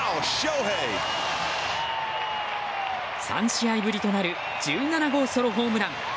３試合ぶりとなる１７号ソロホームラン。